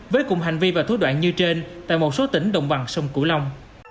với cùng hành vi và thú đoạn như trên tại một số tỉnh đồng bằng sông cửu long